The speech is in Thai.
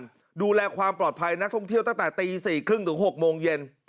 ที่พร้อมชุดประถมพยาบาลดูแลความปลอดภัยนักท่องเที่ยวตั้งแต่ตี๔๓๐ถึง๖โมงเย็น